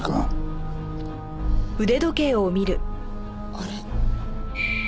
あれ？